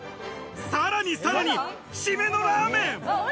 さらに締めのラーメン。